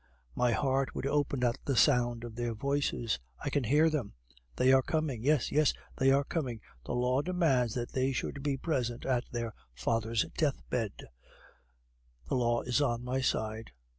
"My heart would open at the sound of their voices. I can hear them; they are coming. Yes! yes! they are coming. The law demands that they should be present at their father's deathbed; the law is on my side.